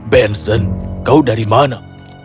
benson kau dari mana